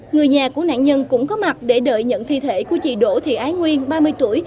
người nhà của nạn nhân cũng có mặt để đợi nhận thi thể của chị đỗ thị ái nguyên ba mươi tuổi